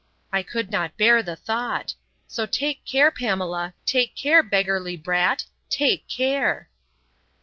—I could not bear the thought!—So take care, Pamela; take care, beggarly brat; take care.